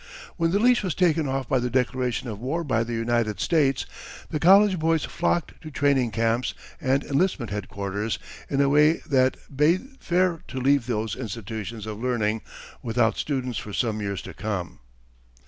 When the leash was taken off by the declaration of war by the United States the college boys flocked to training camps and enlistment headquarters in a way that bade fair to leave those institutions of learning without students for some years to come.